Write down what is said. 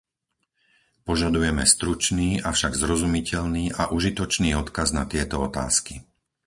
Požadujeme stručný, avšak zrozumiteľný a užitočný odkaz na tieto otázky.